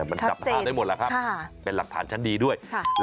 มันจับหาได้หมดแล้วครับเป็นหลักฐานชั้นดีด้วยแล้วชักเจนค่ะ